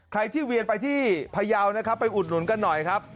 ใครที่เวียนไปที่พยาวนะครับไปอุดหนุนกันหน่อยครับ